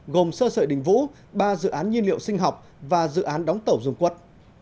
gồm sơ sợi đình vũ ba dự án nhiên liệu sinh học và dự án đóng tàu dung quất